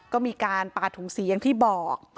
ก็มีการปาถุงสีอย่างที่บอก